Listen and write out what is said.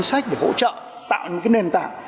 chính sách để hỗ trợ tạo những nền tảng